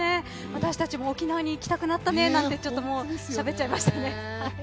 私たちも沖縄に行きたくなったねってしゃべっちゃいましたね。